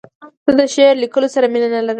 زه د شعر لیکلو سره مینه نه لرم.